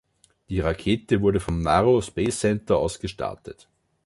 Die Rakete wurde vom Naro Space Center aus gestartet.